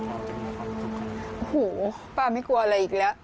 โอ้โหป้าไม่กลัวอะไรอีกแล้ว